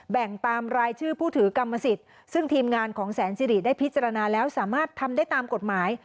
แบ่งตามรายชื่อผู้ถือกรรมสิทธิ์ซึ่งทีมงานของแสนสิริได้พิจารณาแล้วสามารถทำได้ตามกฎหมาย